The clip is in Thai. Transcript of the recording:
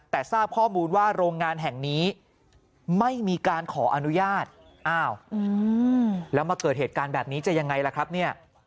แต่ทราบข้อมูลว่าโรงงานแห่งนี้ไม่มีการขออนุญาตอ้าวแล้วมาเกิดเหตุการณ์แบบนี้จะยังไงล่ะครับเนี่ย